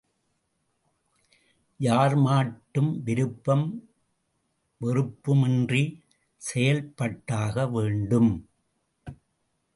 யார்மாட்டும் விருப்பும் வெறுப்பும் இன்றிச் செயல்பட்டாகவேண்டும்.